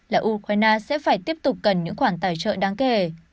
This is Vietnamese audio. là ukraine sẽ phải tiếp tục cần những khoản tài trợ đáng kể